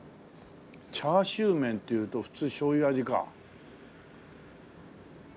チャーシュー麺っていうと普通しょうゆ味か。